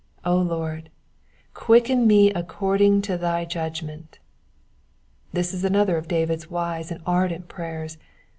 *^0 Lord, quicken me according to thy jvdgmenW'* This is another of David^s wise and ardent prayers.